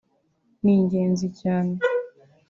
ni ingenzi cyane